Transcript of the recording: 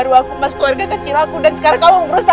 mas keluarga kecil aku dan sekarang kamu merusak